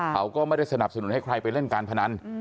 เขาก็ไม่ได้สนับสนุนให้ใครไปเล่นการพนัน